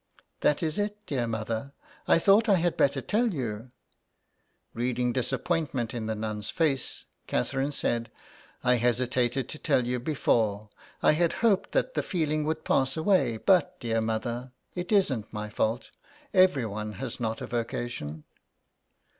'' That is it, dear mother. I thought I had better tell you." Reading disappointment in the nun's face, Catherine said, " I hesitated to tell you before. I had hoped that the feeling would pass away ; but, dear mother, it isn't my fault ; everyone has not a vocation."